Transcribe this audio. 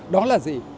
đó là gì